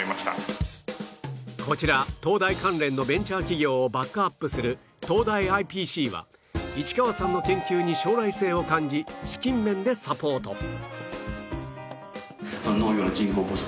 こちら東大関連のベンチャー企業をバックアップする東大 ＩＰＣ は市川さんの研究に将来性を感じ資金面でサポート